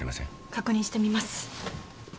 確認してみます。